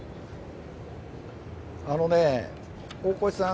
あのね、大越さん